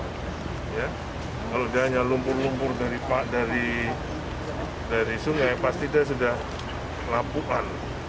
kalau dia hanya lumpur lumpur dari sungai pasti dia sudah lapukan